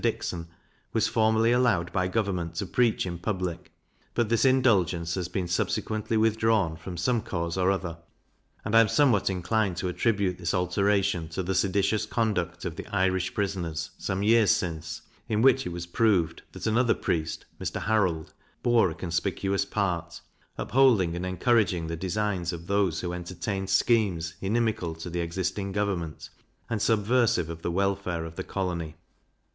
Dixon) was formerly allowed by government to preach in public, but this indulgence has been subsequently withdrawn from some cause or other; and I am somewhat inclined to attribute this alteration to the seditious conduct of the Irish prisoners, some years since, in which it was proved that another priest (Mr. Harold) bore a conspicuous part, upholding and encouraging the designs of those who entertained schemes inimical to the existing government, and subversive of the welfare of the colony.